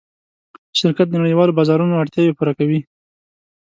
شرکت د نړۍوالو بازارونو اړتیاوې پوره کوي.